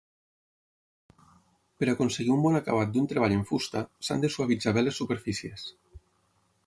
Per aconseguir un bon acabat d'un treball en fusta, s'han de suavitzar bé les superfícies.